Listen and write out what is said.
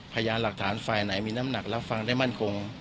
พยานหลักฐานฝ่ายไหนมีน้ำหนักรับฟังได้มั่นคง